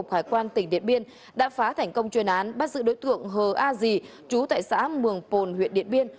hải quan tỉnh điện biên đã phá thành công chuyên án bắt giữ đối tượng hờ a dì chú tại xã mường pồn huyện điện biên